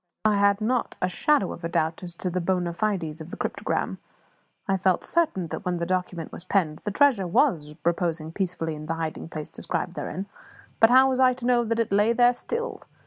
I had not a shadow of doubt as to the bona fides of the cryptogram. I felt certain that when that document was penned, the treasure was reposing peacefully in the hiding place described therein; but how was I to know that it lay there still?